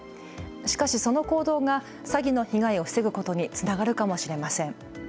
しかし、その行動が詐欺の被害を防ぐことにつながるかもしれません。